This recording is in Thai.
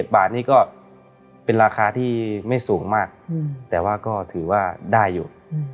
บาทนี้ก็เป็นราคาที่ไม่สูงมากแต่ว่าก็ถือว่าได้อยู่